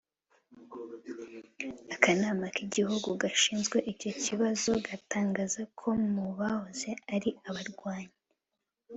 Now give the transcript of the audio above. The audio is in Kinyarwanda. Akanama k’igihugu gashinzwe icyo kibazo gatangaza ko mu bahoze ari abarwanyi